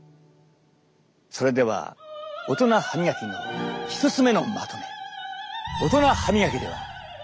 それではオトナ歯みがきの１つ目のまとめ。